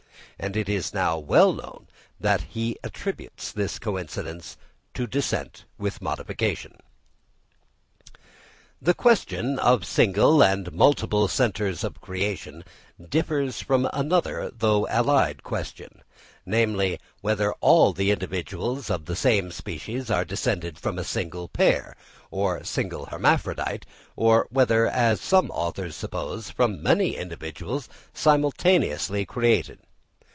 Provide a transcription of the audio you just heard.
And it is now well known that he attributes this coincidence to descent with modification. The question of single or multiple centres of creation differs from another though allied question, namely, whether all the individuals of the same species are descended from a single pair, or single hermaphrodite, or whether, as some authors suppose, from many individuals simultaneously created.